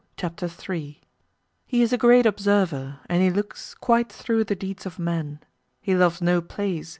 CHAPTER III He is a great observer, and he looks Quite through the deeds of men: he loves no plays